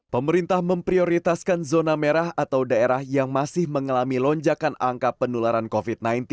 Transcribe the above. pemerintah memprioritaskan zona merah atau daerah yang masih mengalami lonjakan angka penularan covid sembilan belas